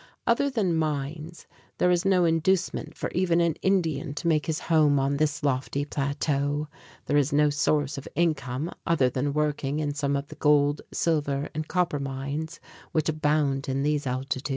Other than mines, there is no inducement for even an Indian to make his home on this lofty plateau. There is no source of income other than working in some of the gold, silver and copper mines which abound in these altitudes.